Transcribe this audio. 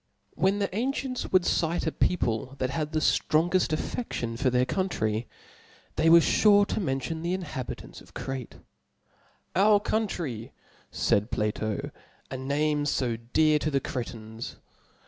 When the ancients would exprefs a people that had the ftrongeft afftckion for their' country, they were fure to mention the inhabitants of Crete : Our Country, faid Plato C) ^ name fo dear to thef^^^^"^^ Cretans.